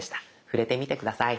触れてみて下さい。